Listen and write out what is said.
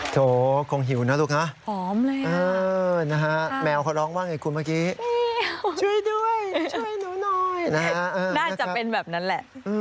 โถคงหิวนะลูกนะหอมเลยนะฮะแมวเขาร้องว่าไงคุณเมื่อกี้ช่วยด้วยช่วยหนูหน่อยน่าจะเป็นแบบนั้นแหละ